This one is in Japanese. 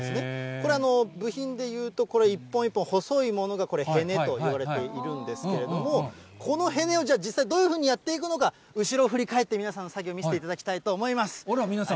これ、部品でいうと、これ一本一本細いものが、これ、ヘネといわれているんですけれども、このヘネを実際にどういうふうにやっていくのか、後ろ振り返って、皆さんの作業見せていただきたいと思います。